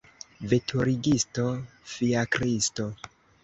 Veturigisto fiakristo!